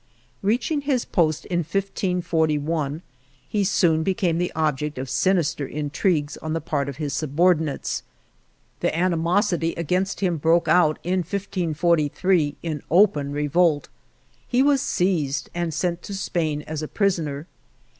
Reaching his post in 1541, he soon became the object of sinister intrigues on the part of his subordinates. The ani mosity against him broke out, in 1543, in open revolt. He was seized and sent to Spain as a prisoner.